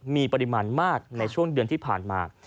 มีปริมาณมากในช่วงเดือนที่ผ่านมา